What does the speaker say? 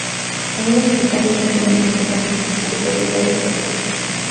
Algunos fabricantes imprimen en los envases la fecha de caducidad del producto.